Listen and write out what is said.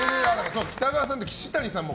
北川さん、岸谷さんも。